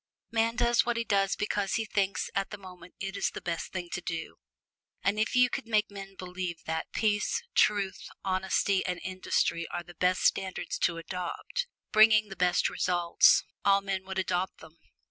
Man does what he does because he thinks at the moment it is the best thing to do. And if you could make men believe that peace, truth, honesty and industry were the best standards to adopt bringing the best results all men would adopt them.